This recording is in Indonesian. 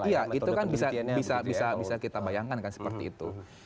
iya itu kan bisa kita bayangkan kan seperti itu